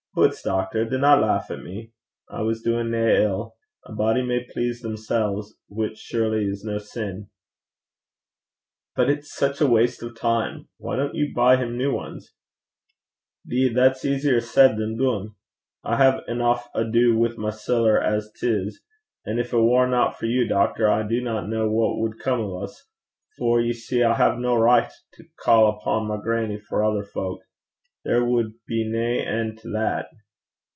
Hoots, doctor! dinna lauch at me. I was doin' nae ill. A body may please themsel's whiles surely, ohn sinned.' 'But it's such waste of time! Why don't you buy him new ones?' ''Deed that's easier said than dune. I hae eneuch ado wi' my siller as 'tis; an' gin it warna for you, doctor, I do not ken what wad come o' 's; for ye see I hae no richt to come upo' my grannie for ither fowk. There wad be nae en' to that.'